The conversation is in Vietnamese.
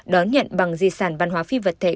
đón nhận bằng di sản văn hóa phi vật thể